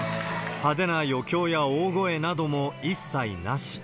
派手な余興や大声なども一切なし。